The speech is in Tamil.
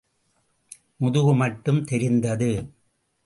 முதுகு மட்டும் தெரிந்தது.